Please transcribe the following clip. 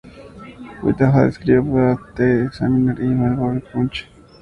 Whitehead escribió para "The Examiner" y "Melbourne Punch".